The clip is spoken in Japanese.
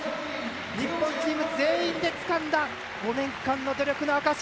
日本チーム全員でつかんだ５年間の努力の証し。